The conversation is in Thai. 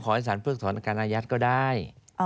ให้สารเพิกถอนการอายัดก็ได้